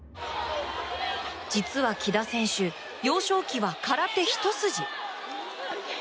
実は木田選手幼少期は空手ひと筋。